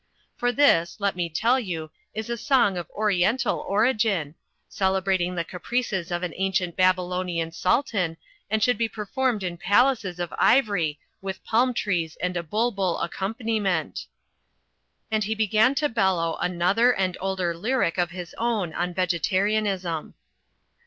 For this, let me tell you, is a song of oriental origin, celebrating the caprices of an ancient Babylonian Sul tan and should be performed in palaces of ivory with palm trees and a bulbul accompaniment." And he began to bellow another and older lyric of his own on vegetarianism.